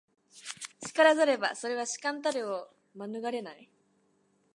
然らざれば、それは主観的たるを免れない。